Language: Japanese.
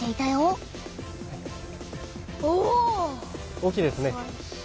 大きいですね。